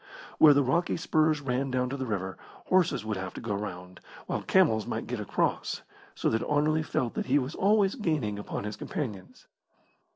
Where the rocky spurs ran down to the river, horses would have to go round, while camels might get across, so that Anerley felt that he was always gaining upon his companions.